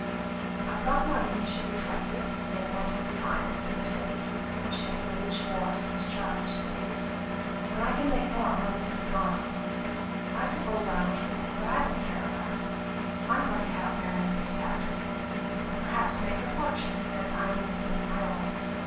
"I've got money," she reflected, in mental defiance of the Fate with whom she had waged war since childish days, "and I can make more when this is gone. I suppose I'm a fool, but I don't care a rap. I'm going to help Marian Fitzpatrick, and perhaps make her fortune, as I mean to make my own.